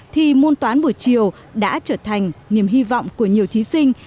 thì môn toán buổi chiều đã trở thành niềm hy vọng của nhiều thí sinh